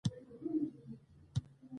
احمدشاه بابا د افغانانو لپاره یو اتل و.